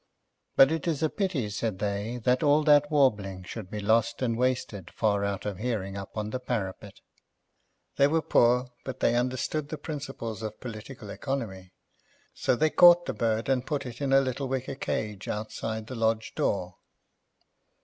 "But it is a pity," said they, "that all that warbling should be lost and wasted far out of hearing up on the parapet." They were poor, but they understood the principles of political economy. So they caught the bird and put it in a little wicker cage outside the lodge door.